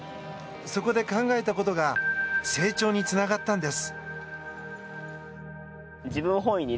そこで考えたことが成長につながったんです。